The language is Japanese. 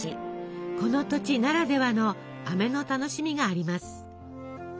この土地ならではのあめの楽しみがあります。